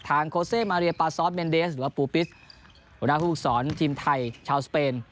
โคเซมาเรียปาซอสเมนเดสหรือว่าปูปิสหัวหน้าผู้ฝึกศรทีมไทยชาวสเปน